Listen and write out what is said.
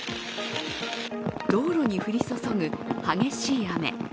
道路に降り注ぐ激しい雨。